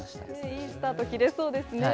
いいスタート切れそうですね。